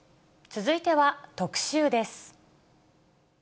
続いては特集です。